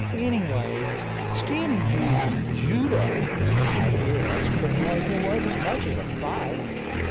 Anyway, Skinny used judo, I guess, because there wasn't much of a fight.